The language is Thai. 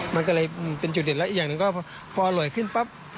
มันก็เลยเป็นจุดเด่นแล้วอีกอย่างหนึ่งก็พออร่อยขึ้นปั๊บ